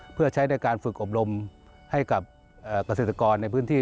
เพื่อใช้ในการฝึกอบรมให้กับเกษตรกรในพื้นที่